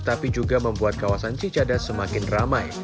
tapi juga membuat kawasan cicadas semakin ramai